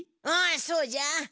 ああそうじゃ。